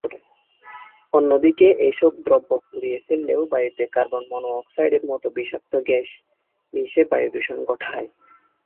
অন্যদিকে এসব দ্রব্য পুড়িয়ে ফেললেও বায়ুতে কার্বন-মনোক্সাইডের মতো বিষাক্ত গ্যাস মিশে বায়ুদূষণ ঘটায়।